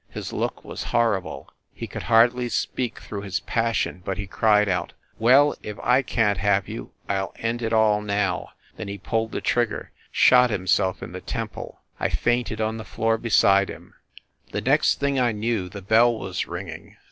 His look was horrible he could hardly speak through his passion, but he cried out : "Well, if I can t have you I ll end it all now !" Then he pulled the trigger shot himself in the tem ple. ... I fainted on the floor beside him. ... The next thing I knew the bell was ringing.